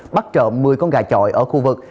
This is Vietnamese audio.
bắt trộm một mươi con gà trọi ở khu vực